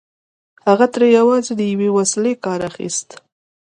هغه ترې یوازې د یوې وسيلې کار اخيست